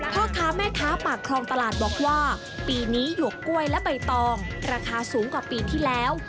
พ่อค้าแม่ค้าปากคลองตลาดบอกว่าปีนี้หยวกกล้วยและใบตองราคาสูงกว่าปีที่แล้ว